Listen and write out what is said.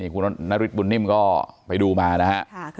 คุณนฤทธบุญนิ่มก็ไปดูมานะฮะ